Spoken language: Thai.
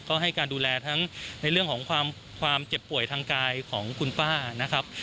ก็ให้การดูแลทั้งในเรื่องของความเจ็บป่วยทางกายของคุณป้านะครับ